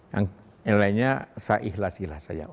yang lainnya saya ikhlas ikhlas saja